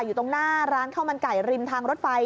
อยู่ตรงหน้าร้านข้าวมันไก่ริมทางรถไฟ